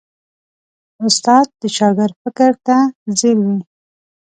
استاد د شاګرد فکر ته ځیر وي.